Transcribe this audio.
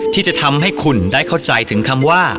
ที่จะทำให้คุณได้เข้าใจถึงคำว่า